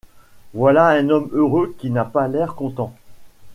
Voilà un homme heureux qui n’a pas l’air content.